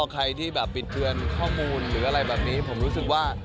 ใครที่แบบปิดเทือนข้อมูลหรืออะไรแบบนี้ผมรู้สึกว่า